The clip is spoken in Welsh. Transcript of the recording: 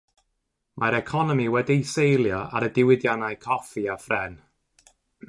Mae'r economi wedi'i seilio ar y diwydiannau coffi a phren.